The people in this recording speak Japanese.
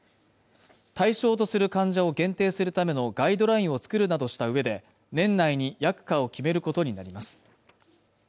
対象とする患者を限定するためのガイドラインを作るなどしたうえで年内に薬価を決めることになります